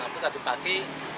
abu tadi pagi